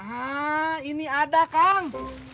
ah ini ada kang